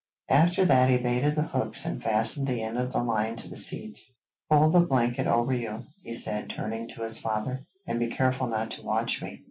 After that he baited the hooks and fastened the end of the line to the seat. 'Put the blanket over you,' he said, turning to his father, 'and be careful not to watch me.'